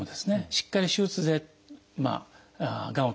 しっかり手術でがんを取り除く。